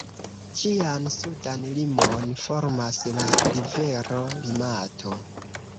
Ĝian sudan limon formas la rivero Limato.